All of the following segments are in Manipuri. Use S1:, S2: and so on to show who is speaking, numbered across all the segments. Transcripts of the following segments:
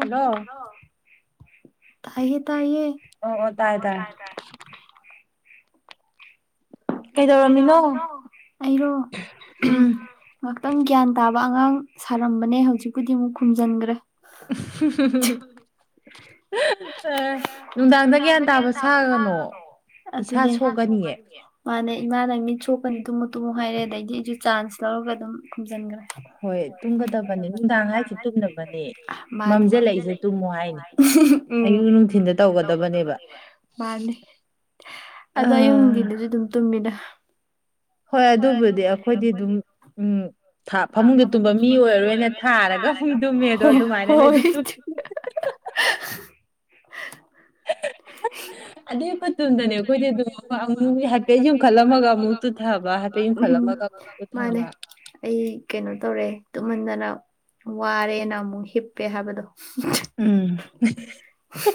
S1: ꯍꯜꯂꯣ
S2: ꯇꯥꯏꯌꯦ ꯇꯥꯏꯌꯦ ꯑꯣ ꯑꯣ ꯇꯥꯏ ꯇꯥꯏ ꯀꯩꯗꯧꯔꯝꯃꯤꯅꯣ ꯑꯩꯔꯣ ꯎꯝ-ꯎꯝ ꯉꯥꯛ ꯇꯪ ꯒ꯭ꯌꯥꯟ ꯇꯥꯕ ꯑꯉꯥꯡ ꯁꯥꯔꯝꯕꯅꯦ ꯍꯧꯖꯤꯛꯄꯨꯗꯤ ꯑꯃꯨꯛ ꯈꯨꯝꯖꯟꯒ꯭ꯔꯦ
S1: [unintelligible] ꯑꯦ ꯅꯨꯡꯗꯥꯡꯗ ꯒ꯭ꯌꯥꯟ ꯇꯥꯕ ꯁꯥꯒꯅꯣ
S2: ꯑꯗꯨꯅꯦ ꯏꯁꯥ ꯁꯣꯛꯀꯅꯤꯌꯦ ꯃꯥꯅꯦ ꯏꯃꯥꯅ ꯃꯤꯠ ꯁꯣꯛꯀꯅꯤ ꯇꯨꯝꯃꯨ ꯇꯨꯝꯃꯨ ꯍꯥꯏꯔꯦ ꯑꯗꯩꯗꯤ ꯑꯩꯖꯨ ꯆꯥꯟꯁ ꯂꯧꯔꯒ ꯑꯗꯨꯝ ꯈꯨꯝꯖꯟꯒ꯭ꯔꯦ ꯍꯣꯏ ꯍꯧꯖꯤꯛ ꯃꯇꯝꯗ ꯅꯨꯡꯗꯥꯡ ꯍꯥꯏꯖꯦ ꯇꯨꯝꯃꯕꯅꯦ ꯃꯥꯅꯦ ꯃꯝꯖꯜꯂꯛꯏꯅꯦ ꯇꯨꯝꯃꯣ ꯍꯥꯏꯅꯦ ꯎꯝ ꯑꯌꯨꯛ ꯅꯨꯊꯤꯜꯗ ꯇꯧꯒꯗꯕꯅꯦꯕ ꯃꯥꯅꯤ ꯑꯗꯣ ꯑꯌꯨꯛ ꯅꯨꯡꯗꯤꯟꯗꯖꯨ ꯑꯗꯨꯝ ꯇꯨꯝꯃꯤꯗ
S1: ꯍꯣꯏ ꯑꯗꯨꯕꯨꯗꯤ ꯑꯈꯣꯏꯗꯤ ꯗꯨꯝ ꯎꯝ ꯊꯥ ꯐꯃꯨꯡꯗ ꯇꯨꯝꯕ ꯃꯤ ꯑꯣꯏꯔꯔꯣꯏꯅ ꯊꯥꯔꯒ ꯍꯨꯝ ꯇꯨꯝꯃꯦꯗꯣ ꯑꯗꯨꯃꯥꯏꯅꯅꯦ ꯑꯗꯨꯝ ꯇꯨꯝ [unintelligible] [unintelligible] ꯑꯗꯨꯏ ꯈꯨꯇꯨꯝꯗꯅꯦ ꯑꯩꯈꯣꯏꯗꯤ ꯑꯗꯨꯝ ꯑꯃ ꯑꯃꯨꯛ ꯍꯥꯏꯐꯦꯠ ꯌꯨꯝꯈꯠꯂꯝꯃꯒ ꯑꯃꯨꯛ ꯇꯨꯊꯕ ꯍꯥꯏꯐꯦꯠ ꯌꯨꯝꯈꯠꯂꯝꯃꯒ ꯑꯃꯨꯛ ꯇꯨꯊꯕ
S2: ꯑꯩ ꯀꯩꯅꯣ ꯇꯧꯔꯦ ꯇꯨꯝꯃꯟꯗꯅ ꯋꯥꯔꯦꯅ ꯑꯃꯨꯛ ꯍꯤꯞꯄꯦ ꯍꯥꯕꯗꯣ
S1: ꯎꯝ ꯍꯍ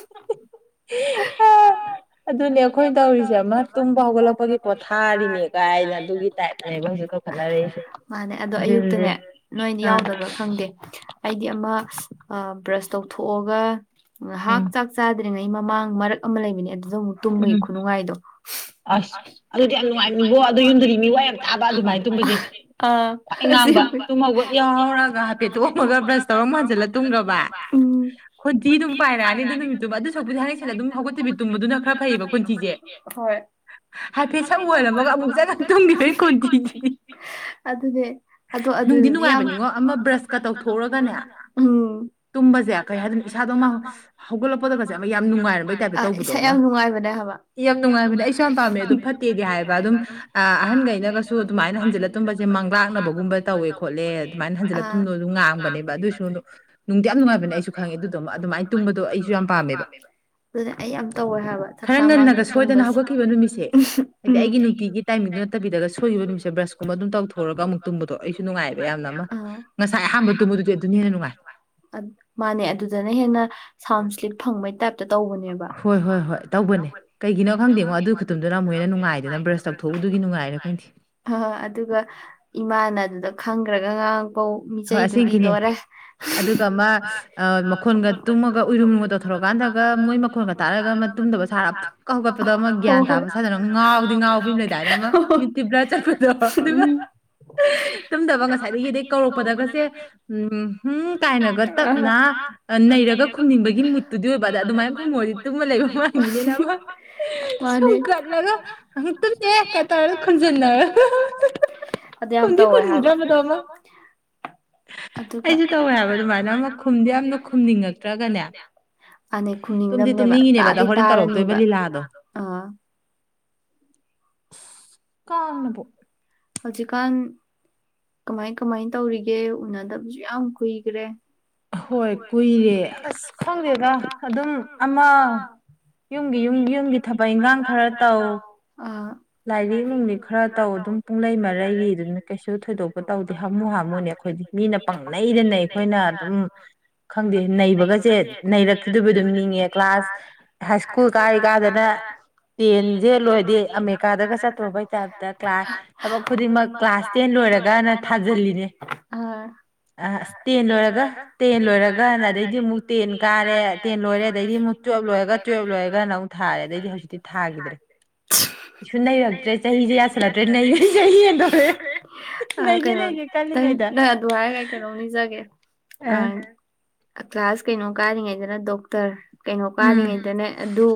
S1: ꯍ [unintelligible] ꯑꯗꯨꯅꯦ ꯑꯩꯈꯣꯏꯅ ꯇꯧꯔꯤꯁꯦ ꯑꯃ ꯇꯨꯝꯕ ꯍꯧꯒꯠꯂꯛꯄꯒꯤ ꯄꯣꯊꯥꯔꯤꯅꯦ ꯀꯥꯏꯅ ꯑꯗꯨꯒꯤ ꯇꯥꯏꯞꯅꯦꯕ ꯍꯧꯖꯤꯛ ꯇꯧꯈ
S2: ꯃꯥꯅꯦ ꯑꯗꯣ ꯑꯌꯨꯛꯇꯅꯦ ꯅꯣꯏꯗꯤ ꯌꯥꯎꯗꯕ꯭ꯔꯥ ꯈꯪꯗꯦ ꯑꯩꯗꯤ ꯑꯃ ꯕ꯭ꯔꯁ ꯇꯧꯊꯣꯛꯑꯒ ꯉꯍꯥꯛ ꯆꯥꯛ ꯆꯥꯗ꯭ꯔꯤꯉꯩ ꯃꯃꯥꯡ ꯃꯔꯛ ꯑꯃ ꯂꯩꯕꯅꯦ ꯑꯗꯨ ꯗ ꯑꯃꯨꯛ ꯇꯨꯝꯕꯒꯤ ꯈꯨꯅꯨꯡꯉꯥꯏꯗꯣ ꯑꯁ ꯑꯗꯨꯗꯤ ꯌꯥꯝ ꯅꯨꯡꯉꯥꯏꯕꯅꯤꯕꯣ ꯑꯗꯨ ꯌꯨꯝꯗꯗꯤ ꯃꯤ ꯋꯥ ꯌꯥꯝ ꯇꯥꯕ ꯑꯗꯨꯃꯥꯏꯅ ꯇꯨꯝꯃꯗꯤ ꯇꯨꯝꯍꯧꯒꯠ ꯌꯥꯎꯍꯧꯅꯔꯒ ꯍꯥꯢꯐꯦꯠ ꯊꯣꯛꯑꯝꯃꯒ ꯕ꯭ꯔꯁ ꯇꯧꯔ ꯍꯥꯟꯖꯤꯜꯂ ꯇꯨꯝꯒ꯭ꯔꯕ
S1: ꯈꯣꯟꯊꯤ ꯑꯗꯨꯝ ꯄꯥꯢꯔꯛꯑꯅꯤ ꯑꯗꯨ ꯅꯨꯃꯤꯠꯇꯨꯝꯕ ꯑꯗꯨ ꯁꯔꯨꯛꯄꯨꯗꯤ ꯊꯥꯉꯩ ꯁꯦꯡꯅ ꯑꯗꯨꯝ ꯍꯧꯒꯠꯇꯕꯤ ꯇꯨꯝꯕꯗꯨꯅ ꯈꯔ
S2: ꯐꯩꯌꯦꯕ ꯈꯣꯟꯊꯤꯖꯦ ꯍꯣꯢ ꯍꯥꯏꯐꯦꯠ ꯁꯛ ꯎꯍꯜꯂꯝꯃꯒ ꯑꯃꯨꯛ ꯆꯪꯉ ꯇꯨꯝꯈꯤꯕꯩ ꯈꯣꯟꯊꯤꯖꯤꯗꯤ ꯑꯗꯨꯅꯦ ꯑꯗꯣ ꯑꯗꯨꯗꯗꯤ ꯌꯥꯝ ꯎꯝ
S1: ꯇꯨꯝꯕꯁꯦ ꯀꯩ ꯍꯥꯏꯗꯣꯢꯅꯣ ꯏꯁꯥꯗꯣ ꯑꯃ ꯍꯧꯒꯠꯂꯛꯄꯗꯒꯁꯦ ꯑꯃ ꯌꯥꯝ
S2: ꯌꯥꯝ ꯅꯨꯡꯉꯥꯢꯕꯩ ꯑ ꯏꯁꯩ ꯌꯥꯝ ꯅꯨꯡꯉꯥꯏꯕꯅꯦ ꯍꯥꯏꯕ
S1: ꯌꯥꯝ ꯅꯨꯡꯉꯥꯏꯕꯅꯦ ꯑꯩꯁꯨ ꯌꯥꯝ ꯄꯥꯝꯃꯦ ꯑꯗꯨ ꯐꯠꯇꯦꯗꯤ ꯍꯥꯏꯕ ꯑꯗꯨꯝ ꯑꯍꯟꯈꯩꯅꯒꯁꯨ ꯑꯗꯨꯃꯥꯏꯅ ꯍꯟꯖꯤꯜꯂ ꯇꯨꯝꯕꯁꯦ ꯃꯪꯂꯥꯛꯅꯕꯒꯨꯝꯕ ꯇꯧꯋꯦ ꯈꯣꯠꯂꯦ ꯑꯗꯨꯃꯥꯏꯅ ꯍꯟꯖꯤꯜꯂ ꯇꯨꯝꯅꯣ ꯑꯗꯨꯝ ꯉꯥꯡꯕꯅꯦꯕ ꯑꯗꯨꯏꯁꯨ ꯅꯨꯡꯗꯤ ꯌꯥꯝ ꯅꯨꯡꯉꯥꯏꯕꯅꯦ ꯑꯩꯁꯨ ꯈꯪꯉꯦ ꯑꯗꯨꯗꯨꯃ ꯑꯗꯨꯃꯥꯏꯅ ꯇꯨꯝꯕꯗꯣ ꯑꯩꯁꯨ ꯌꯥꯝ ꯄꯥꯝꯃꯦꯕ
S2: ꯑꯗꯨꯅꯦ ꯑꯩ ꯌꯥꯝ ꯇꯧꯋꯦ ꯍꯥꯏꯕ ꯊꯛꯆꯥ ꯃꯥꯡꯗ ꯇꯨꯝꯕꯁꯦ ꯑꯝ ꯑꯩꯒꯤ ꯅꯨꯡꯇꯒꯤ ꯇꯥꯢꯃꯤꯡ
S1: ꯅꯨꯃꯤꯠꯁꯦ ꯕ꯭ꯔꯁꯀꯨꯝꯕ ꯑꯗꯨꯝ ꯇꯧꯊꯣꯛꯎꯔꯒ ꯑꯃꯨꯛ ꯇꯨꯝꯕꯗꯣ ꯑꯩꯁꯨ ꯅꯨꯡꯉꯥꯏꯕ ꯌꯥꯝꯅ ꯑꯃ ꯉꯁꯥꯏ ꯑꯍꯥꯟꯕ ꯇꯨꯝꯕꯗꯨꯗꯩ ꯑꯗꯨꯅꯦꯍꯦꯟꯅ ꯅꯨꯉꯥꯢ
S2: ꯑꯥ ꯃꯥꯅꯦ ꯑꯗꯨꯗꯅ ꯍꯦꯟꯅ ꯁꯥꯎꯟ ꯁ꯭ꯂꯤꯞ ꯐꯪꯕꯩ ꯇꯥꯏꯞ
S1: ꯍꯣꯏ ꯍꯣꯏ ꯍꯣꯏ ꯇꯧꯕꯅꯦ ꯀꯩꯒꯤꯅꯣ ꯈꯪꯗꯦꯉꯣ ꯑꯗꯨ ꯈꯨꯇꯨꯝꯗꯨꯅ ꯑꯃꯨꯛꯍꯦꯟꯅ ꯅꯨꯡꯉꯥꯏꯗꯨꯅ ꯕ꯭ꯔꯁ ꯇꯧꯊꯣꯛꯎ ꯗꯨꯒꯤ ꯅꯨꯡꯉꯥꯏꯔꯥ ꯈꯪꯗꯦ
S2: ꯑꯥ ꯑꯗꯨꯒ ꯏꯃꯥꯅ ꯑꯗꯨꯗ ꯈꯪꯈ꯭ꯔꯒ ꯉꯥꯡꯉꯛ ꯄꯧ ꯃꯤꯆꯩꯗꯨꯗꯤ ꯂꯣꯏꯔꯦ ꯑꯗꯨꯒ ꯑꯃ ꯑꯥ ꯃꯈꯣꯟꯒ ꯇꯨꯝꯃꯉꯒ ꯎꯏꯔꯨꯝꯒ ꯇꯧꯔ ꯥꯒ ꯃꯣꯏ ꯃꯈꯣꯟꯒ ꯇꯥꯔꯒ ꯑꯃ ꯇꯨꯝꯗꯕ ꯁꯥꯔ ꯐꯨꯛ ꯍꯧꯒꯠꯄꯗ ꯑꯃ ꯒ꯭ꯌꯥꯟ ꯇꯥꯕ ꯁꯥꯖꯟꯅꯔꯊꯔꯛꯀ ꯉꯥꯎꯗꯤ ꯉꯥꯎꯏ
S1: ꯃ ꯃꯤꯠꯇꯤ ꯕ꯭ꯂꯔ ꯆꯠꯄꯗꯣ ꯑꯗꯨꯒ ꯇꯨꯝꯗꯕ ꯉꯁꯥꯢꯗꯒꯤꯗꯤ ꯀꯧꯔꯛ ꯗꯒꯁꯦ ꯎ ꯍꯪ ꯀꯥꯏꯅꯒ ꯇꯞꯅ ꯅꯩꯔꯒ ꯈꯨꯝꯅꯤꯡꯕꯒꯤ ꯃꯨꯠꯇꯨꯗꯤ ꯑꯣꯏꯕ ꯑꯗꯨꯃꯥꯏꯅ ꯈꯨꯝꯃꯨꯔꯗꯤ ꯇꯨꯝꯃ ꯂꯩꯕ ꯃꯥꯟꯈꯤꯅꯤꯅ ꯑꯃ ꯁꯨꯡꯀꯠꯂꯒ ꯑꯦ ꯀꯇꯧꯔꯦ ꯈꯨꯝꯖꯤꯟꯅꯔ ꯈꯨꯝꯗꯤ ꯈꯨꯝꯅꯤꯡꯗ꯭ꯔꯕꯗꯣ ꯑꯃ
S2: ꯑꯗꯨꯒ ꯑꯩꯁꯨ ꯇꯧꯋꯦ ꯍꯥꯏꯕ ꯑꯗꯨꯃꯥꯏꯅ ꯃ ꯈꯨꯝꯗꯤ ꯌꯥꯝꯅ ꯈꯨꯝꯅꯤꯡꯉꯛꯇ꯭ꯔꯒꯅꯦ ꯑꯅꯩ ꯈꯨꯝꯅꯤꯡꯗꯕꯅꯦꯕ ꯇꯥꯗꯤ ꯇꯥꯔꯅꯤꯕ ꯑꯥ
S1: ꯀꯥꯡꯅꯕꯨ
S2: ꯍꯧꯖꯤꯛ ꯀꯥꯟ ꯀꯃꯥꯏ ꯀꯃꯥꯏ ꯇꯧꯔꯤꯒꯦ ꯎꯅꯗꯕꯁꯨ ꯌꯥꯝ ꯀꯨꯏꯈ꯭ꯔꯦ
S1: ꯍꯣꯏ ꯀꯨꯏꯔꯦ ꯑꯁ ꯈꯪꯗꯦꯗ ꯑꯗꯨꯝ ꯑꯃ
S2: ꯌꯨꯝꯒꯤ ꯌꯨꯝꯒꯤ ꯌꯨꯝꯒꯤ ꯊꯕꯛ ꯏꯪꯈꯥꯡ ꯈꯔ ꯇꯧ ꯂꯥꯏꯔꯤꯛ ꯅꯨꯡꯃꯤ ꯈꯔ
S1: ꯇꯧ ꯑꯗꯨꯝ ꯄꯨꯡꯂꯩ ꯃꯔꯩꯔꯤ ꯑꯗꯨꯅꯦ ꯀꯩꯁꯨ ꯊꯣꯏꯗꯣꯛꯄ ꯇꯧꯗꯦ ꯍꯥꯝꯃꯨ ꯍꯥꯝꯃꯨꯅꯦ ꯑꯩꯈꯣꯏꯗꯤ ꯃꯤꯅ ꯄꯪꯅꯩꯗ ꯅꯩ ꯑꯩꯈꯣꯏꯅ
S2: ꯑꯗꯨꯝ
S1: ꯈꯪꯗꯦ ꯅꯩꯕꯒꯁꯦ ꯅꯩꯔꯛꯈꯤꯗꯣꯏꯕꯣꯢ ꯑꯗꯨꯝ ꯅꯤꯡꯉꯦ ꯀ꯭ꯂꯥꯁ ꯍꯥꯏ ꯁ꯭ꯀꯨꯜ ꯀꯥꯏꯔꯤꯀꯥꯟꯗꯅ ꯇꯦꯟꯁꯦ ꯂꯣꯏꯔꯗꯤ ꯑꯃꯦꯔꯤꯀꯥꯗꯒ ꯆꯠꯇ꯭ꯔꯣꯕꯩ ꯇꯥꯏꯞꯇ ꯀ꯭ꯂ ꯊꯕꯛ ꯈꯨꯗꯤꯡꯃꯛ ꯀ꯭ꯂꯥꯁ ꯇꯦꯟ ꯂꯣꯏꯔꯒꯅ ꯊꯥꯖꯤꯜꯂꯤꯅꯦ ꯑꯥ ꯑꯁ ꯇꯦꯟ ꯂꯣꯢꯔꯒ ꯇꯦꯟ ꯂꯣꯏꯔꯒꯅ ꯑꯗꯩꯗꯤ ꯑꯃꯨꯛ ꯇꯦꯟ ꯀꯥꯔꯦ ꯇꯦꯟ ꯂꯣꯏꯔꯦ ꯑꯗꯩꯗꯤ ꯑꯃꯨꯛ ꯇꯨꯋꯦꯜꯕ ꯂꯣꯏꯔꯒ ꯇꯨꯋꯦꯜꯞ ꯂꯣꯏꯔꯒꯅ ꯊꯥꯔꯦ ꯑꯗꯩꯗꯤ ꯍꯧꯖꯤꯛꯇꯤ ꯊꯥꯒꯤꯗ꯭ꯔꯦ ꯀꯩꯁꯨ ꯅꯩꯔꯛꯇ꯭ꯔꯦ ꯆꯍꯤꯁꯤ ꯌꯥꯁꯜꯂꯛꯇ꯭ꯔꯦ ꯅꯩꯕꯒꯤ ꯆꯍꯤ ꯍꯤ ꯍꯤ ꯍꯦꯗꯣꯔꯛꯑꯦ
S2: ꯑꯥꯥ ꯀꯩꯅꯣꯅꯦ ꯅꯪ ꯑꯗꯨ ꯍꯥꯏꯔꯒ ꯀꯩꯅꯣꯝ ꯅꯤꯡꯖꯪꯉꯛꯑꯦ ꯑꯥ ꯀ꯭ꯂꯥꯁ ꯀꯩꯅꯣ ꯀꯥꯔꯤꯉꯩꯗꯅ ꯗꯣꯛꯇꯔ ꯀꯩꯅꯣ ꯀꯥꯔꯤꯉꯩꯗꯅꯥ ꯑꯗꯨ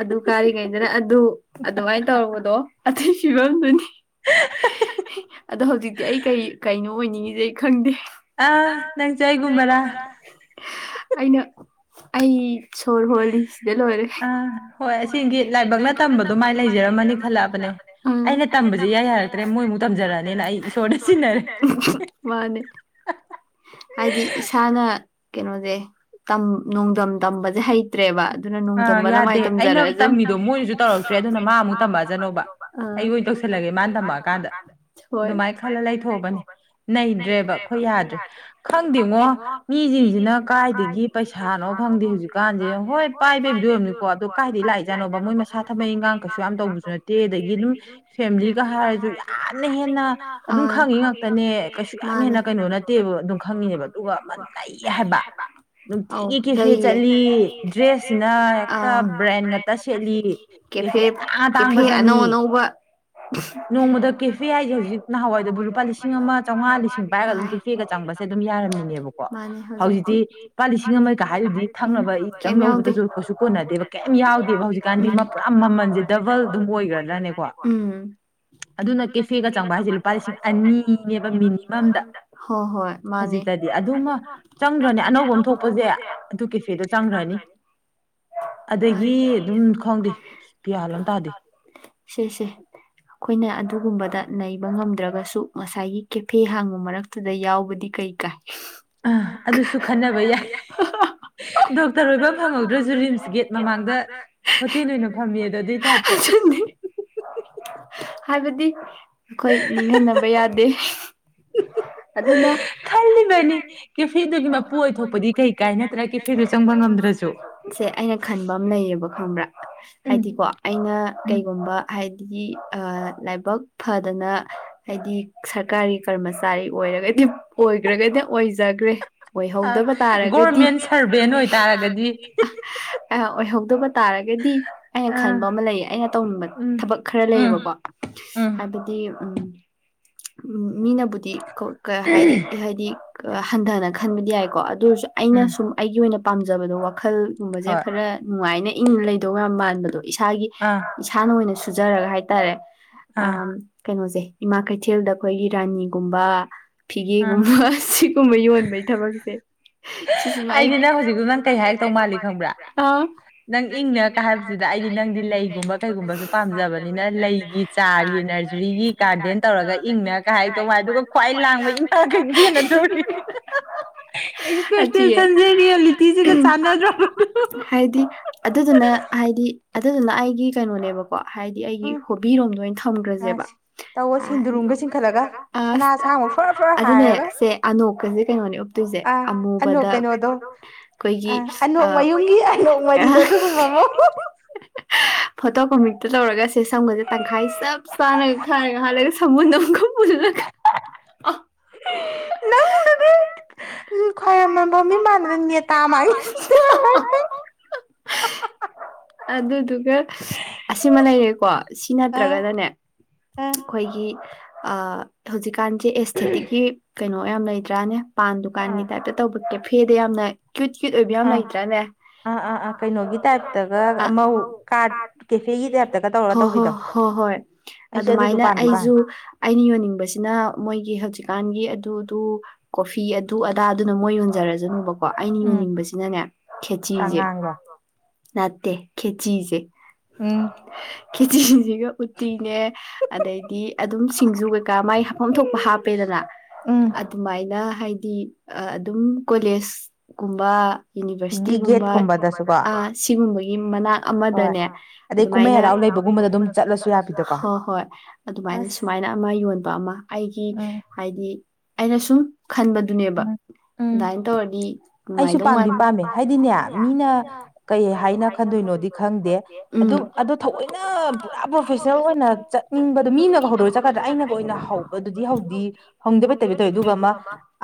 S2: ꯑꯗꯨ ꯀꯥꯔꯤꯉꯩꯗꯅ ꯑꯗꯨ ꯑꯗꯨꯃꯥꯏꯅ ꯇꯧꯔꯨꯕꯗꯣꯑꯗꯩ ꯐꯤꯕꯝꯗꯨꯅꯤ ꯑꯗꯣ ꯍꯧꯖꯤꯛꯇꯤ ꯑꯩ ꯀꯔꯤ ꯀꯩꯅꯣ ꯑꯣꯏꯅꯤꯡꯉꯤꯁꯦ ꯑꯩ ꯈꯪꯗꯦ ꯑ ꯅꯪꯖꯨ ꯑꯩ ꯒꯨꯝꯕꯔꯥ ꯑꯩꯅ ꯑꯩ ꯁꯣꯔ ꯍꯣꯂꯤ ꯁꯤꯗ ꯂꯣꯏꯔꯦ
S1: ꯍꯣꯏ ꯑꯁꯦꯡꯒꯤ ꯂꯥꯏꯕꯛꯅ ꯇꯝꯕꯗꯨ ꯃꯥꯏ ꯂꯩꯖꯔꯝꯃꯅꯤ ꯈꯜꯂꯛꯑꯕꯅꯦ
S2: ꯎꯝ ꯑꯩꯅ ꯇꯝꯕꯗꯨ ꯏꯌꯥ ꯌꯥꯔꯛꯇ꯭ꯔꯦ ꯃꯣꯏꯃꯨꯛ ꯇꯝꯖꯂꯛꯑꯅꯤꯅ ꯑꯩ ꯏꯁꯣꯔꯗ ꯁꯤꯟꯅꯔꯦꯎꯝ ꯃꯅꯦ ꯍꯥꯏꯗꯤ ꯏꯁꯥꯅ ꯀꯩꯅꯣꯖꯦ ꯇꯝ ꯅꯣꯡꯗꯝ ꯇꯝꯕꯁꯦ ꯍꯩꯇ꯭ꯔꯦꯕ
S1: ꯑꯥ ꯌꯥꯗꯦ ꯑꯩꯅ ꯇꯝꯃꯤꯗꯣ ꯃꯣꯏꯅꯁꯨ ꯇꯧꯔꯛꯇ꯭ꯔꯦ ꯑꯗꯨꯅ ꯃꯥ ꯑꯃꯨꯛ ꯇꯝꯃꯛꯑꯁꯅꯣꯕ ꯑꯩ ꯑꯣꯏ ꯇꯧꯁꯜꯂꯒꯦ ꯃꯥꯅ ꯇꯝꯃꯛꯑꯀꯥꯟꯗ ꯑꯗꯨꯃꯥꯏꯅ ꯈꯜꯂ ꯂꯩꯊꯣꯛꯑꯕꯅꯦ ꯅꯩꯗ꯭ꯔꯦꯕ ꯑꯈꯣꯏ ꯌꯥꯗ꯭ꯔꯦ ꯈꯪꯗꯦꯉꯣ ꯃꯤꯁꯤꯡꯁꯤꯅ ꯀꯥꯏꯗꯒꯤ ꯄꯩꯁꯥꯅꯣ ꯃꯈꯪꯗꯦ ꯍꯧꯖꯤꯛꯀꯥꯟꯁꯦ ꯍꯣꯏ ꯄꯥꯏ [unintelligible] ꯗꯣ ꯀꯥꯏꯗꯩ ꯂꯥꯛꯏꯖꯥꯅꯣꯕ ꯃꯣꯏ ꯃꯁꯥ ꯊꯕꯛ ꯏꯪꯒꯥꯡ ꯀꯩꯁꯨ ꯌꯥꯝ ꯇꯧꯕꯁꯨ ꯅꯠꯇꯦ ꯗꯒꯤ ꯗꯨꯝ ꯐꯦꯃꯤꯂꯤꯒ ꯍꯥꯏꯔꯁꯨ ꯌꯥꯝꯅ ꯍꯦꯟꯅ ꯑꯗꯨꯝ ꯈꯪꯉꯤ ꯉꯥꯛꯇꯅꯦ ꯀꯩꯁꯨ ꯌꯥꯝ ꯍꯦꯟ ꯅ ꯀꯩꯅꯣ ꯅꯠꯇꯦꯕ ꯗꯨꯝ ꯈꯪꯉꯤꯅꯦꯕ ꯗꯨꯒ ꯃꯟ ꯂꯩ ꯍꯥꯏꯕ ꯅꯨꯡꯇꯤꯒꯤ ꯀꯦꯐꯦ ꯆꯠꯂꯤ ꯖ ꯗ꯭ꯔꯦꯁ ꯁꯤꯅ ꯍꯦꯛꯇ ꯕ꯭ꯔꯦꯟ ꯉꯥꯛꯇ ꯁꯦꯠꯂꯤ ꯀꯦꯐꯦ ꯑꯇꯥꯡ ꯑꯇꯥꯡꯕ ꯆꯪ
S2: ꯑꯅꯧ ꯑꯅꯧꯕ ꯅꯣꯡꯃꯗ ꯀꯦꯐꯦ ꯍꯥꯏꯖꯦ ꯍꯧꯖꯤꯛ ꯅꯍꯋꯥꯏꯗꯧꯅ ꯂꯨꯄꯥ ꯂꯤꯁꯤꯡ ꯑꯃ ꯆꯧꯉꯥ ꯂꯤꯁꯤꯡ [unintelligible]
S1: ꯕꯁꯦ ꯗꯨꯝ ꯌꯥꯔꯝꯃꯤꯅꯦꯕꯀꯣ ꯍꯧꯖꯤꯛꯇꯤ ꯂꯨꯄꯥ ꯂꯤꯁꯤꯡ ꯑꯃꯒ ꯍꯥꯏꯗꯨꯗꯤ ꯊꯛꯅꯕ ꯢ ꯗꯪ ꯂꯧꯕꯗꯁꯨ ꯀꯩꯁꯨ ꯀꯣꯟꯅꯗꯦꯕ ꯀꯩꯝ ꯌꯥꯎꯗꯦꯕ ꯍꯧꯖꯤꯛꯀꯥꯟꯗꯤ ꯃꯥ ꯄꯨꯔꯥ ꯃꯃꯜꯖꯦ ꯗꯕꯜ ꯑꯗꯨꯝ ꯑꯣꯏ
S2: ꯑꯣꯏꯒ꯭ꯔꯒꯅꯦ ꯀꯣ ꯎꯝ ꯑꯗꯨꯅ ꯀꯦꯐꯦꯒ ꯆꯪꯕ ꯍꯥꯏꯁꯦ ꯂꯨꯄꯥ ꯂꯤꯁꯤꯡ ꯑꯅꯤꯅꯦꯕ ꯃꯤꯅꯤꯃꯝꯗ ꯍꯣ ꯍꯣꯏ ꯃꯥꯅꯦ
S1: ꯗꯗꯤ ꯑꯗꯨꯃ ꯆꯪꯗ꯭ꯔꯅꯦ ꯑꯅꯧꯕꯝ ꯊꯣꯛꯄꯁꯦ ꯑꯗꯨ ꯀꯦꯐꯦꯗ ꯆꯪꯒ꯭ꯔꯅꯤ ꯑꯗꯒꯤ ꯗꯨꯝ ꯈꯪꯗꯦ ꯒ꯭ꯌꯥꯟ ꯑꯝ ꯇꯥꯗꯦ
S2: ꯁꯦꯁꯦ ꯑꯈꯣꯏꯅ ꯑꯗꯨ ꯑꯗꯨꯒꯨꯝꯕꯗ ꯅꯩꯕ ꯉꯝꯗ꯭ꯔꯒꯁꯨ ꯉꯁꯥꯏꯒꯤ ꯀꯦꯐꯦ ꯍꯥꯡꯕ ꯃꯔꯛꯇꯨꯗ ꯌꯥꯎꯕꯗꯤ ꯀꯩ ꯀꯥꯏ ꯑ ꯑꯗꯨꯁꯨ ꯈꯟꯅꯕ ꯌꯥꯏ ꯍꯥ ꯍꯥ ꯍꯥ ꯑꯣ ꯗꯣꯛꯇ꯭ꯔ ꯑꯣꯏꯕ ꯐꯪꯍꯧꯗ꯭ꯔꯁꯨ ꯔꯤꯝꯁ ꯒꯦꯠ ꯃꯃꯥꯡꯗ ꯍꯣꯇꯦꯜ ꯑꯣꯏꯅ ꯐꯝꯃꯦꯗ [unintelligible] ꯍꯥꯏꯕꯗꯤ ꯑꯈꯣꯏ ꯅꯤꯡꯍꯟꯅꯕ ꯌꯥꯗꯦ ꯑꯗꯨꯅ
S1: [unintelligible] ꯀꯦꯐꯦꯗꯨꯒꯤ ꯃꯄꯨ ꯑꯣꯏꯊꯣꯛꯄꯗꯤ ꯀꯩ ꯀꯥꯏ ꯅꯠꯇ꯭ꯔꯥ ꯀꯦꯐꯦꯗꯨ ꯆꯪꯕ ꯉꯝꯗ꯭ꯔꯁꯨ
S2: ꯈꯟꯕ ꯑꯝ ꯂꯩꯌꯦꯕ ꯈꯪꯕ꯭ꯔꯥ ꯍꯥꯏꯗꯤꯀꯣ ꯑꯩꯅ ꯀꯩꯒꯨꯝꯕ ꯍꯥ ꯍꯥꯏꯗꯤ ꯑꯥ ꯂꯥꯏꯕꯛ ꯐꯗꯅ ꯍꯥꯏꯗꯤ ꯁ꯭ꯔꯀꯥꯔꯒꯤ ꯀ꯭ꯔꯃꯆꯥꯔꯤ ꯑꯣꯏꯔ ꯔꯗꯤ ꯑꯣꯏꯒ꯭ꯔꯒꯅ ꯑꯣꯏꯖꯒ꯭ꯔꯦ ꯑꯣꯏꯍꯧꯗꯕ ꯇꯥꯔꯒꯗꯤ ꯒꯣꯔꯃꯦꯟ ꯁ꯭ꯔꯕꯦꯟ ꯑꯣꯏ ꯇꯥꯔꯒꯗꯤ [unintelligible] ꯑꯣꯏꯍꯧꯗꯕ ꯇꯥꯔꯒꯗꯤ ꯑꯩꯅ ꯈꯟꯕ ꯑꯃ ꯂꯩꯌꯦ ꯑꯩꯅ ꯇꯧꯅꯤꯡꯕ ꯊꯕꯛ ꯈꯔ ꯂꯩꯌꯦꯕꯀꯣ ꯍꯥꯏꯕꯗꯤ ꯎꯝ ꯃꯤꯅꯕꯨꯗꯤ ꯀꯣ ꯀ ꯍꯥꯏꯗꯤ ꯍꯥꯏꯗꯤ ꯍꯟꯊꯅ ꯈꯟꯕꯗꯤ ꯌꯥꯏꯀꯣ ꯑꯗꯨ ꯑꯣꯏꯁꯨ ꯑꯩꯅ ꯁꯨꯝ ꯑꯩꯒꯤ ꯑꯣꯏꯅ ꯄꯥꯝꯖꯕꯗꯣ ꯋꯥꯈꯜꯒꯨꯝꯕꯁꯦ ꯈꯔ ꯅꯨꯡꯉꯥꯏꯅ ꯏꯪꯅ ꯂꯩꯗꯧ ꯌꯥꯝ ꯃꯥꯟꯕꯗꯣ ꯏꯁꯥꯒꯤ ꯁꯥꯅ ꯑꯣꯏꯅ ꯁꯨꯖꯔꯒ ꯍꯥꯏꯇꯥꯔꯦ ꯑ ꯀꯩꯅꯣꯖꯦ ꯏꯃꯥ ꯀꯩꯊꯦꯜꯗ ꯑꯈꯣꯏꯒꯤ ꯔꯥꯅꯤꯒꯨꯝꯕ ꯐꯤꯒꯦꯒꯨꯝꯕ ꯁꯤꯒꯨꯝꯕ ꯌꯣꯟꯕꯩ ꯊꯕꯛꯁꯦ ꯁꯤꯁꯨꯃ ꯑꯩꯗꯤ ꯅꯪ ꯍꯨꯖꯤꯛꯇꯣ ꯅꯪ ꯀꯩ ꯍꯥꯔꯛꯇꯧ ꯃꯥꯜꯂꯤ ꯈꯪꯕ꯭ꯔꯥ ꯑꯥ
S1: ꯅꯪ ꯏꯪꯅꯀꯥ ꯍꯥꯏꯕꯁꯤꯗ ꯑꯩꯗꯤ ꯅꯪꯗꯤ ꯂꯩꯒꯨꯝꯕ ꯀꯩꯒꯨꯝꯕꯁꯨ ꯄꯥꯝꯖꯕꯅꯤꯅ ꯂꯩꯒꯤ ꯆꯥ꯭ꯔꯒꯤ ꯅ꯭ꯔꯖꯔꯤꯒꯤ ꯒꯥꯔꯗꯦꯟ ꯇꯧꯔꯒ ꯏꯪꯅ ꯀꯥ ꯍꯥꯏꯔꯛꯇꯧ ꯃꯥꯜ ꯑꯗꯨꯒ ꯈ꯭ꯋꯥꯏ ꯂꯥꯡꯕ ꯏꯃꯥ ꯀꯩꯊꯦꯜꯗ ꯊꯣꯛꯅꯤ [unintelligible] ꯂꯤꯇꯤꯁꯤꯒ ꯆꯥꯟꯅꯗ꯭ꯔꯕ ꯍꯨ
S2: ꯑꯗꯨꯗꯨꯅ ꯍꯥꯏꯗꯤ ꯑꯗꯨꯗꯨꯅ ꯑꯩꯒꯤ ꯀꯩꯅꯣꯅꯦꯕꯀ ꯀꯣ ꯍꯥꯏꯗꯤ ꯑꯩꯒꯤ ꯍꯣꯕꯤꯔꯣꯝꯗ ꯑꯣꯏꯅ ꯊꯝꯒ꯭ꯔꯖꯦꯕ ꯑ꯭ꯁ ꯑꯗꯨꯅꯦ ꯁꯦ ꯑꯅꯣꯛꯀꯁꯦ ꯀꯩꯅꯣꯅꯦ ꯎꯞꯇꯣꯏꯁꯦ ꯑꯃꯨꯕꯗ ꯀꯩꯅꯣꯗꯣ ꯈꯣꯏ ꯑꯩꯒꯤ ꯑꯥ [inaudible] ꯐꯣꯇꯣ ꯀ꯭ꯔꯣꯃꯤꯛꯇꯨ ꯇꯧꯔꯒ ꯁꯦ ꯁꯝꯒꯁꯦ ꯇꯪꯈꯥꯏ ꯆꯞ ꯆꯥꯅꯒ ꯈꯥꯏꯔꯒ ꯍꯥꯠꯂꯒ ꯁꯝꯕꯨꯟ ꯑꯝꯒ [unintelligible]
S1: ꯎꯝ ꯈ꯭ꯋꯥꯏꯔꯝꯕꯟ ꯐꯝꯕꯤ ꯃꯥꯟꯗꯅ ꯅꯦꯇꯥ ꯃꯥꯟꯒꯤꯕ ꯁꯣꯏꯔꯣꯏ ꯑ ꯍꯥ ꯍꯥ ꯍꯥ [inaudible]
S2: ꯑꯗꯨꯗꯨꯒ ꯑꯁ ꯑꯁꯤꯃ ꯂꯩꯔꯦꯀꯣ ꯁꯤ ꯅꯠꯇ꯭ꯔꯒꯅꯅꯦ ꯑꯩꯈꯣꯏꯒꯤ ꯑꯥ ꯍꯧꯖꯤꯛꯀꯥꯟꯖꯦ ꯑꯦꯁꯊꯦꯇꯤꯛꯀꯤ ꯀꯩꯅꯣ ꯌꯥꯝ ꯂꯩꯗ꯭ꯔꯥꯅꯦ ꯄꯥꯟ ꯗꯨꯀꯥꯟꯒꯤ ꯇꯥꯏꯞꯇ ꯇꯧꯕ ꯀꯦꯐꯦꯗꯣ ꯌꯥꯝꯅ
S1: ꯑꯥ ꯑꯥ ꯑꯥ ꯑꯥ ꯀꯩꯅꯣꯒꯤ ꯇꯥꯏꯞꯇꯒ ꯑꯃ ꯀꯥꯠꯀꯤ ꯇꯤꯒꯤ ꯇꯥꯏꯞꯇꯒ ꯇꯧꯔꯒ ꯇꯧꯕꯤꯗꯣ
S2: ꯑꯗꯨꯃꯥꯏꯅ ꯑꯩꯖꯨ ꯑꯩꯅ ꯌꯣꯟꯅꯤꯡꯕꯁꯤꯅ ꯃꯣꯏꯒꯤ ꯍꯧꯖꯤꯛꯀꯥꯟꯒꯤ ꯑꯗꯨ ꯗꯨ ꯀꯣꯐꯤ ꯑꯗꯨ ꯑꯗꯥꯗꯨꯅ ꯃꯣꯏ ꯌꯣꯟꯖꯔꯖꯅꯨꯕ ꯀꯣ ꯑꯩꯅ ꯌꯣꯟꯅꯤꯡꯕꯁꯤꯅꯅꯦ ꯈꯦꯆꯤꯖꯦ ꯅꯠꯇꯦ ꯈꯦꯆꯤꯖꯦ
S1: ꯎꯝ
S2: ꯈꯦꯆꯤꯁꯤꯡꯖꯤꯒ ꯎꯠꯇꯤꯅꯦ ꯑꯗꯩꯗꯤ ꯑꯗꯨꯝ ꯁꯤꯡꯖꯨ ꯀꯩꯀꯥ ꯃꯥꯏ ꯍꯥꯐꯝ ꯊꯣꯛ ꯍꯥꯞꯄꯦꯗꯅ ꯑꯗꯨꯃꯥꯏꯅ ꯍꯥꯏ ꯗꯤ ꯑ ꯑꯗꯨꯝ ꯀꯣꯂꯦꯖ ꯀꯨꯝꯕ ꯌꯨꯅꯤꯚꯔꯁꯤꯇꯤꯒꯨꯝꯕ ꯑꯥ ꯁꯤꯒꯨꯝꯕꯒꯤ ꯃꯅꯥꯛ ꯑꯃꯗꯅꯦ ꯑꯗꯨꯃꯥꯏꯅ ꯍꯣꯏ ꯍꯣꯏ ꯑꯗꯨꯃꯥꯏꯅ ꯁꯨꯃꯥꯏꯅ ꯑꯃ ꯌꯣꯟꯕ ꯑꯃ ꯑꯩꯒꯤ ꯍꯥꯏꯗꯤ ꯑꯩꯅ ꯁꯨꯝ ꯈꯟꯕꯗꯨꯅꯦꯕ ꯑꯗꯥꯏꯅ ꯇꯧꯔꯗꯤ ꯅꯨꯡꯉꯥꯏꯗꯧ ꯃꯥꯟ ꯄꯥꯝꯗꯤ ꯄꯥꯝꯃꯦ ꯍꯥꯏꯗꯤꯅꯦ ꯃꯤꯅ ꯀꯩ ꯍꯥꯏꯅ ꯈꯟꯗꯣꯏꯅꯣꯗꯤ ꯈꯪ
S1: ꯑꯗꯨ ꯑꯗꯣ ꯊꯑꯣꯏꯅ ꯄꯨꯔꯥ ꯄ꯭ꯔꯣꯐꯦꯁꯅꯦꯜ ꯑꯣꯏꯅ ꯆꯠꯅꯤꯡꯕꯗꯣ ꯃꯤꯅꯒ ꯍꯧꯗꯣꯛꯑ ꯆꯠꯀꯗ꯭ꯔꯥ ꯑꯩꯅꯒ ꯑꯣꯏꯅ ꯍꯧ ꯍꯧꯕꯗꯨꯗꯤ ꯍꯧꯗꯤ ꯍꯧꯅꯤꯡꯗꯕꯩ ꯇꯥꯏꯞꯇ ꯇꯧꯋꯦ ꯑꯗꯨꯒ ꯑꯃ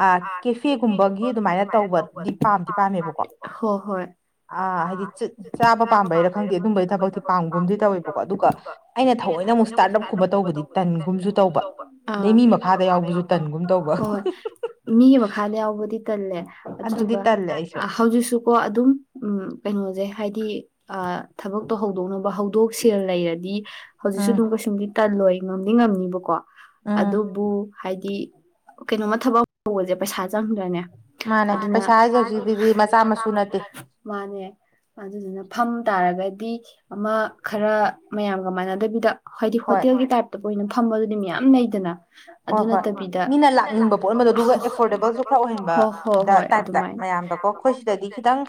S1: ꯑꯥ ꯀꯦꯐꯦꯒꯨꯝꯕꯒꯤ ꯑꯗꯨꯃꯥꯏꯅ ꯇꯧꯕ ꯗꯤ ꯄꯥꯝꯗꯤ ꯄꯥꯝꯃꯦꯕꯀꯣ ꯑꯥ ꯍꯥꯏꯗꯤ ꯖꯨꯠ ꯆꯥꯕ ꯄꯥꯝꯕꯩꯔ ꯈꯪꯗꯦ ꯑꯗꯨꯝꯕꯩ ꯊꯕꯛꯇꯤ ꯄꯥꯝꯒꯨꯝꯗꯤ ꯇꯧꯋꯦꯕꯀꯣ ꯑꯗꯨꯒ ꯑꯩꯅ ꯊꯑꯣꯏꯅ ꯑꯃꯨꯛ ꯏꯁꯇꯥꯜꯑꯞ ꯀꯨꯝꯕ ꯇꯧꯕꯗꯤ ꯇꯟꯒꯨꯝꯖꯨ ꯇꯧꯕ
S2: ꯑꯥ ꯍꯣꯏꯍꯣꯏ ꯃꯤꯒꯤ ꯃꯈꯥꯗ ꯌꯥꯎꯕꯗꯤ ꯇꯜꯂꯦ ꯑꯗꯨꯗꯨꯒ ꯍꯧꯖꯤꯛꯁꯨꯀꯣ ꯑꯗꯨꯝ ꯎꯝ ꯀꯩꯅꯣꯖꯦ ꯍꯥꯏꯗꯤ ꯑꯥ ꯊꯕꯛꯇꯣ ꯍꯧꯗꯣꯛꯅꯕ ꯍꯧꯗꯣꯛ ꯁꯦꯜ ꯂꯩꯔꯗꯤ ꯍꯧꯖꯤꯛꯁꯨ ꯑꯗꯨꯝ ꯀꯩꯁꯨꯝꯗꯤ ꯇꯜꯂꯣꯏ ꯉꯝꯗꯤ ꯉꯝꯅꯤꯕꯀꯣ ꯑꯗꯨꯕꯨ ꯍꯥꯏꯗꯤ ꯀꯩꯅꯣꯝꯃ ꯊꯕꯛ ꯇꯧꯕꯖꯦ ꯄꯩꯁꯥ ꯆꯪꯗ꯭ꯔꯥꯅꯦ ꯑꯗꯨꯅ [inaudible] ꯃꯥꯅꯦ ꯑꯗꯨꯗꯨꯅ ꯐꯝ ꯇꯥꯔꯒꯗꯤ ꯑꯃ ꯈꯔ ꯃꯌꯥꯝꯒ ꯃꯥꯟꯅꯗꯕꯤꯗ ꯍꯥꯏꯗꯤ ꯍꯣꯇꯦꯜꯒꯤ ꯇꯥꯏꯞꯇꯒ ꯑꯣꯏꯅ ꯐꯝꯕ ꯑꯗꯨꯗꯤ ꯃꯤꯌꯥꯝ ꯂꯩꯗꯅ ꯑꯗꯨ ꯅꯠꯇꯕꯤꯗ ꯍꯣ ꯍꯣꯏ ꯍꯣꯏ ꯑꯗꯨꯃꯥꯏꯅ
S1: ꯃꯌꯥꯝꯗꯀꯣ ꯑꯩꯈꯣꯏ ꯁꯤꯗꯗꯤ ꯈꯤꯇꯪ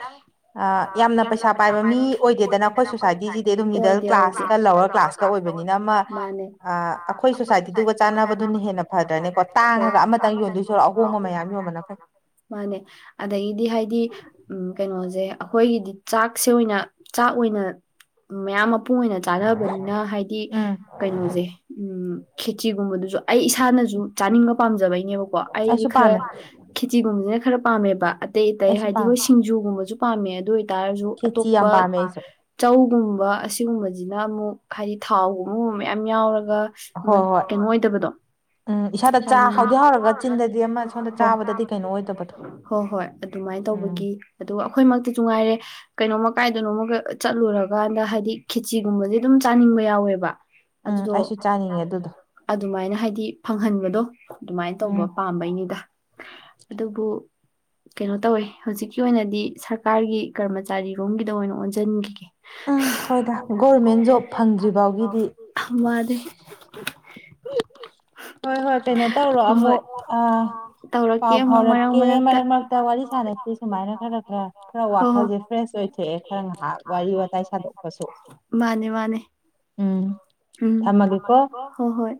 S1: ꯑ ꯌꯥꯝꯅ ꯄꯩꯁꯥ ꯄꯥꯏꯕ ꯃꯤ ꯑꯣꯏꯗꯦꯗꯅ ꯑꯩꯈꯣꯏ ꯁꯣꯁꯥꯏꯇꯤꯒꯤꯗꯤ ꯑꯗꯨꯝ ꯃꯤꯗꯜ ꯀ꯭ꯂꯥꯁꯀ ꯂꯋꯔ ꯀ꯭ꯂꯥꯁꯀ ꯑꯣꯏꯕꯅꯤꯅ ꯑꯃ ꯑꯥ ꯑꯩꯈꯣꯏ ꯁꯣꯁꯥꯏꯇꯤ ꯑꯗꯨꯒ ꯆꯥꯅꯕꯗꯨꯅ ꯍꯦꯟꯅ ꯐꯗ꯭ꯔꯅꯦꯀꯣ ꯇꯥꯡꯉꯒ ꯑꯃꯇꯪ ꯌꯣꯟꯗꯣꯏ ꯁꯔꯨꯛ ꯑꯍꯣꯡꯕ ꯃꯌꯥꯝ ꯌꯣꯟꯕꯅ ꯐꯩ
S2: ꯃꯥꯅꯦ ꯑꯗꯩꯗꯤ ꯍꯥꯏꯗꯤ ꯎꯝ ꯀꯩꯅꯣꯖꯦ ꯑꯈꯣꯏꯒꯤꯗꯤ ꯆꯥꯛꯁꯦ ꯑꯣꯏꯅ ꯆꯥꯛ ꯑꯣꯏꯅ ꯃꯌꯥꯝ ꯃꯄꯨꯡ ꯑꯣꯏꯅ ꯆꯥꯅꯕꯅꯤꯅ ꯍꯥꯏꯗꯤ ꯀꯩꯅꯣꯖꯦ ꯎꯝ ꯈꯦꯆꯤꯒꯨꯝꯕꯗꯨꯖꯨ ꯑꯩ ꯏꯁꯥꯅꯖꯨ ꯆꯥꯅꯤꯡꯕ ꯄꯥꯝꯖꯕꯩ ꯅꯦꯕꯀꯣ ꯑꯩꯗꯤ ꯈꯔ ꯈꯦꯆꯤꯒꯨꯝꯕꯖꯤꯅ ꯈꯔ ꯄꯥꯝꯃꯦꯕ ꯑꯇꯩ ꯑꯇꯩ ꯍꯥꯏꯗꯤ ꯍꯣꯏ ꯁꯤꯡꯖꯨꯒꯨꯝꯕꯖꯨ ꯄꯥꯝꯃꯦ ꯑꯗꯨ ꯑꯣꯏꯇꯥꯔꯖꯨ ꯑꯇꯣꯞꯄ [unintelligible] ꯒꯨꯝꯕ ꯑꯁꯤꯒꯨꯝꯕꯁꯤꯅ ꯑꯃꯨꯛ ꯍꯥꯏꯗꯤ ꯊꯥꯎꯒꯨꯝꯕꯒꯨꯝꯕ ꯃꯌꯥꯝ ꯌꯥꯎꯔꯒ ꯒ ꯃ ꯀꯩꯅꯣ ꯑꯣꯏꯗꯕꯗꯣ [unintelligible] ꯆꯥ ꯍꯥꯎꯗꯤ ꯍꯥꯎꯔꯒ ꯆꯤꯟꯗꯗꯤ ꯑꯃ ꯀꯩꯅꯣ ꯑꯣꯏꯗꯕꯗꯣ [unintelligible] ꯍꯣꯏ ꯍꯣꯏ ꯑꯗꯨ ꯑꯗꯨꯃꯥꯏ ꯇꯧꯕꯒꯤ ꯑꯗꯨ ꯑꯩꯈꯣꯏꯃꯛꯇꯁꯨ ꯉꯥꯏꯔꯦ ꯀꯩꯅꯣꯝꯃ ꯀꯥꯏꯗꯅꯣꯃꯒ ꯆꯠꯂꯨꯔꯒꯥꯟꯗ ꯍꯥꯏꯗꯤ ꯈꯦꯆꯤꯒꯨꯝꯕꯁꯦ ꯑꯗꯨꯝ ꯆꯥꯅꯤꯡꯕ ꯌꯥꯎꯋꯦꯕ ꯑꯗꯨꯗꯣ [unintelligible] ꯑꯗꯨꯃꯥꯏꯅ ꯍꯥꯏꯗꯤ ꯐꯪꯍꯟꯕꯗꯣ ꯑꯗꯨꯃꯥꯏꯅ ꯇꯧꯕ ꯄꯥꯝꯕꯩꯅꯤꯗ ꯑꯗꯨꯕꯨ ꯀꯩꯅꯣ ꯇꯧꯋꯦ ꯍꯧꯖꯤꯛꯀꯤ ꯑꯣꯏꯅꯗꯤ ꯁꯔꯀꯥꯔꯒꯤ ꯀꯔꯃꯆꯥꯔꯤꯔꯣꯝꯒꯤꯗ ꯑꯣꯏꯅ ꯑꯣꯟꯖꯟꯒꯤ
S1: ꯎꯝ ꯍꯣꯏꯗ ꯒꯣꯔꯃꯦꯟ ꯖꯣꯕ ꯐꯪꯗ꯭ꯔꯤ ꯕꯥꯎꯒꯤꯗꯤ [inaudible] ꯍꯣꯏ ꯍꯣꯏ ꯀꯩꯅꯣ ꯇꯧꯔꯣ ꯑꯃꯨꯛ ꯑꯥ ꯄꯥꯎ ꯐꯥꯎꯔꯛꯀꯦ ꯃꯔꯛ ꯃꯔꯛꯇ ꯋꯥꯔꯤ ꯁꯥꯅꯁꯤ ꯁꯨꯃꯥꯏꯅ ꯈꯔ ꯈꯔ ꯈꯔ ꯋꯥꯈꯜꯁꯦ ꯐ꯭ꯔꯦꯁ ꯑꯣꯏꯊꯣꯛꯑꯦ ꯈꯔ ꯉꯥꯍꯥꯛ ꯋꯥꯔꯤ ꯋꯥ
S2: ꯋꯥꯔꯤ ꯋꯥꯇꯥꯏ ꯁꯥꯗꯣꯛꯄꯁꯦ ꯃꯥꯅꯦ ꯃꯥꯅꯦ ꯎꯝ ꯊꯝꯃꯒꯦꯀꯣ ꯍꯣ ꯍꯣꯏ